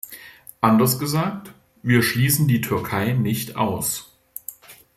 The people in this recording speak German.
Anders gesagt, wir schließen die Türkei nicht aus.